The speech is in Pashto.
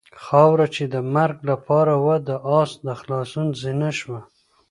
خاوره چې د مرګ لپاره وه د آس د خلاصون زینه شوه.